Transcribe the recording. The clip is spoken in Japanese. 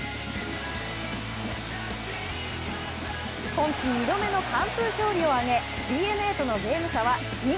今季２度目の完封勝利を挙げＤｅＮＡとのゲーム差は２。